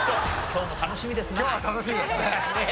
今日は楽しみですね。